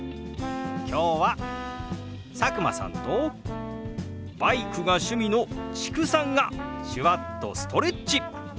今日は佐久間さんとバイクが趣味の知久さんが手話っとストレッチ！